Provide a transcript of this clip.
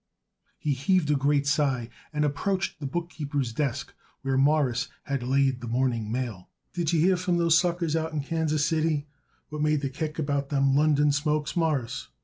He heaved a great sigh and approached the bookkeeper's desk, where Morris had laid the morning mail. "Did you hear from those suckers out in Kansas City what made the kick about them London Smokes, Mawruss?"